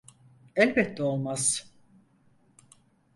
Elbette olmaz.